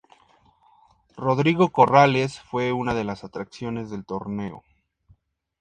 Rodrigo Corrales fue una de las atracciones del torneo.